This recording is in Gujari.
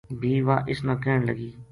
بھی واہ اس نا کہن لگی